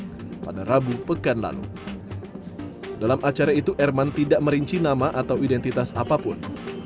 pada rabu pekan lalu dalam acara itu erman tidak merinci nama atau identitas apapun